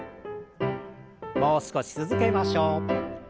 もう少し続けましょう。